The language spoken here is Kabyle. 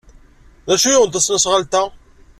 D acu i yuɣen tasnasɣalt-a?